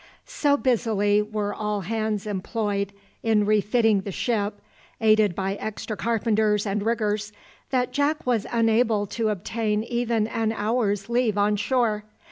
So busily were all hands employed in refitting the ship, aided by extra carpenters and riggers, that Jack was unable to obtain even an hour's leave on shore.